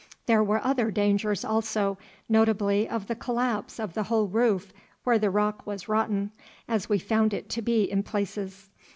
There were other dangers also, notably of the collapse of the whole roof where the rock was rotten, as we found it to be in places.